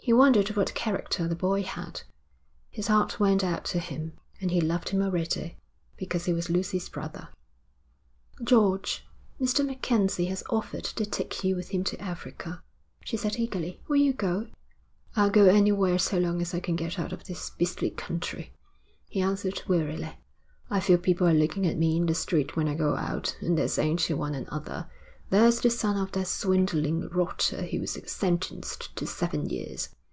He wondered what character the boy had. His heart went out to him, and he loved him already because he was Lucy's brother. 'George, Mr. MacKenzie has offered to take you with him to Africa,' she said eagerly. 'Will you go?' 'I'll go anywhere so long as I can get out of this beastly country,' he answered wearily. 'I feel people are looking at me in the street when I go out, and they're saying to one another: there's the son of that swindling rotter who was sentenced to seven years.'